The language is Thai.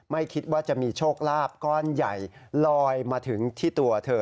ไม่คิดว่าจะมีโชคลาภก้อนใหญ่ลอยมาถึงที่ตัวเธอ